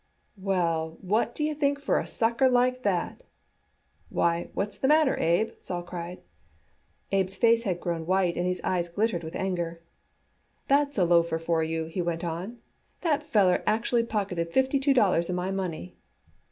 Well, what do you think for a sucker like that?" "Why, what's the matter, Abe?" Sol cried. Abe's face had grown white and his eyes glittered with anger. "That's a loafer for you!" he went on. "That feller actually pocketed fifty two dollars of my money."